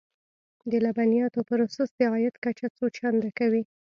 د لبنیاتو پروسس د عاید کچه څو چنده کوي.